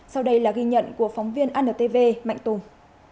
sau đây là ghi nhận của phóng viên antv mạnh tùng